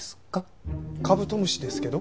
カブトムシですけど。